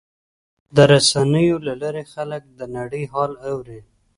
د رسنیو له لارې خلک د نړۍ حال اوري.